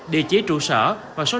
địa chỉ trụ sở và số điện thoại